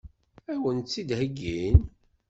Ad wen-tt-id-heggin?